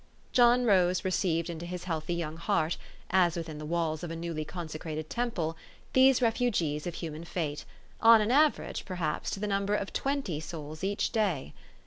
John Rose received into his healthy 3 7 oung heart, as within the walls of a newly consecrated temple, these refugees of human fate, on an average per haps to the number of twenty souls each day.